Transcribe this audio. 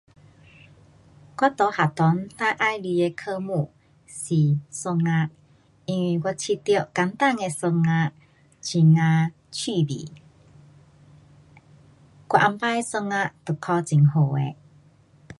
我在学堂最喜欢的科目是数学，因为我觉得简单的数学很呀趣味。我以前数学都考很好的。